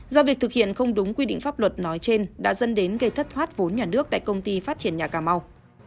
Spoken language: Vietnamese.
do việc thực hiện không đúng quy định pháp luật nói trên đã dẫn đến gây thất thoát vốn nhà nước tại công ty phát triển nhà cà mau